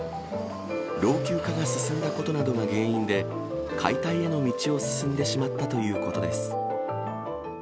老朽化が進んだことなどが原因で、解体への道を進んでしまったということです。